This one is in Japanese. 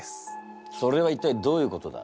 それは一体どういうことだ？